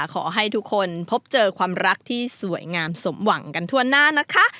ขอให้ทุกคนพบเจอความรักที่สวยงามสมหวังกันทั่วหน้านะคะ